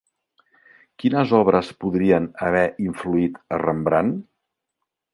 Quines obres podrien haver influït a Rembrandt?